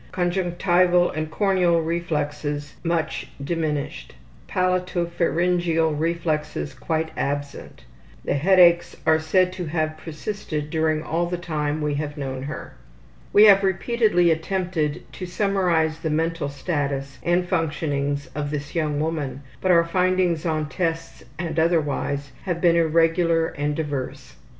Conjunctival and corneal reflexes much diminished. Palatopharyngeal reflexes quite absent. The headaches are said to have persisted during all the time we have known her. We have repeatedly attempted to summarize the mental status and functionings of this young woman, but our findings on tests and otherwise have been irregular and diverse.